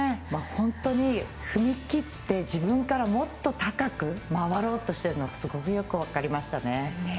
本当に踏み切って自分からもっと高く回ろうとしているのがよく分かりましたね。